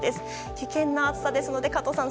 危険な暑さですので加藤さん